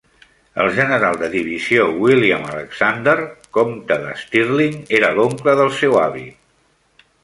El general de divisió William Alexander, comte de Stirling, era l'oncle del seu avi.